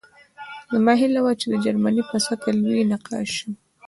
زما هیله وه چې د جرمني په سطحه لوی نقاش شم